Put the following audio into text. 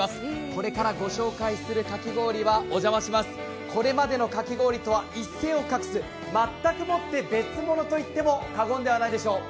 これからご紹介するかき氷はこれまでのかき氷とは一線を画す、全くもって別物といっても過言ではないでしょう。